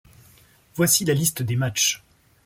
Voici la liste des matchs.